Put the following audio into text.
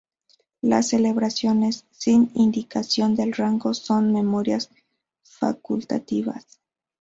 Las celebraciones sin indicación del rango son memorias facultativas.